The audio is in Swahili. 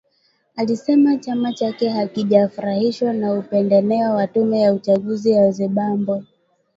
Alisema chama chake hakijafurahishwa na upendeleo wa tume ya uchaguzi ya Zimbabwe